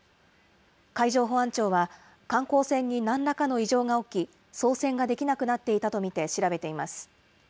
海上保安庁は、観光船になんらかの異常が起き、操船ができなくなっていたと見て調べています。